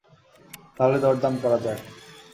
তাহলে দরদাম করা যাক।